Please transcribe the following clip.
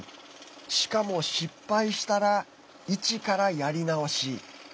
しかも失敗したら一からやり直し。